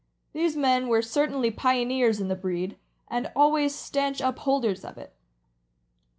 These men were cer tainly pioneers in the breed, and always stanch upholders of it.